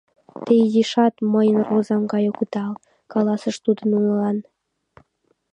— Те изишат мыйын розам гай огыдал, — каласыш тудо нунылан.